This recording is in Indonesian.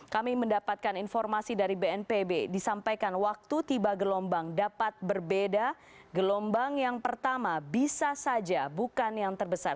kami mendapatkan informasi dari bnpb disampaikan waktu tiba gelombang dapat berbeda gelombang yang pertama bisa saja bukan yang terbesar